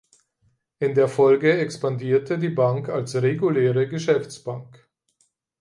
In der Folge expandierte die Bank als reguläre Geschäftsbank.